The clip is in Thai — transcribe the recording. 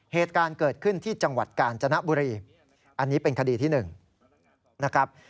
เหตุการณ์เกิดขึ้นที่จังหวัดกาญจนบุรีอันนี้เป็นคดีที่๑นะครับ